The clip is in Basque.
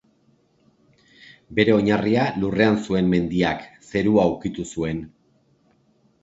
Bere oinarria lurrean zuen mendiak, Zerua ukitu zuen.